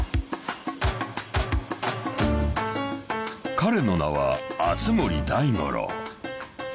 ［彼の名は熱護大五郎］